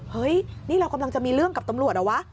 เฮ้ยนี่เรากำลังจะมีเรื่องกับตำรวจเหรอวะ